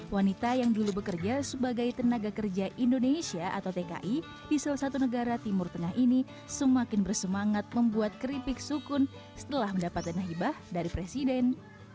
wanita yang dulu bekerja sebagai tenaga kerja indonesia atau tki di salah satu negara timur tengah ini semakin bersemangat membuat keripik sukun setelah mendapat dana hibah dari presiden